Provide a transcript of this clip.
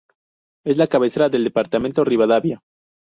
Es la cabecera del departamento Rivadavia.